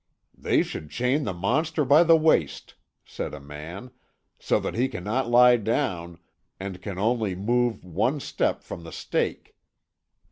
"They should chain the monster by the waist," said a man, "so that he cannot lie down, and can only move one step from the stake.